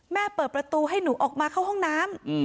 เปิดประตูให้หนูออกมาเข้าห้องน้ำ